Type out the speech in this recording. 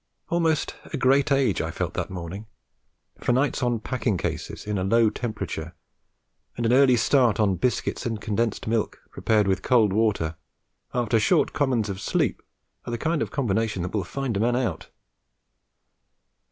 Almost a great age I felt that morning; for nights on packing cases in a low temperature, and an early start on biscuits and condensed milk prepared with cold water, after short commons of sleep, are the kind of combination that will find a man out.